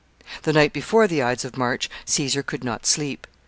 ] The night before the Ides of March Caesar could not sleep.